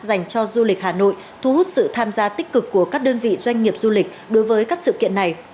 dành cho du lịch hà nội thu hút sự tham gia tích cực của các đơn vị doanh nghiệp du lịch đối với các sự kiện này